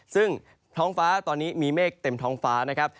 ซึ่งท้องฟ้าตอนนี้มีเมฆเต็มท้องฟ้านะครับ